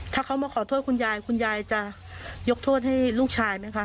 ถ้าเขามาขอโทษคุณยายคุณยายจะยกโทษให้ลูกชายไหมคะ